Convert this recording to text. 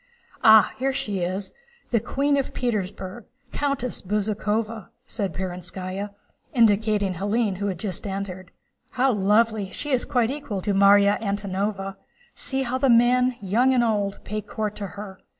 "Ah, here she is, the Queen of Petersburg, Countess Bezúkhova," said Perónskaya, indicating Hélène who had just entered. "How lovely! She is quite equal to Márya Antónovna. See how the men, young and old, pay court to her.